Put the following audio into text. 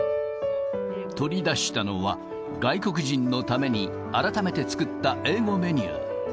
取り出したのは、外国人のために改めて作った英語メニュー。